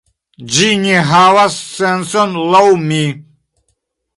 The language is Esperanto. Ĝi ne havas sencon laŭ mi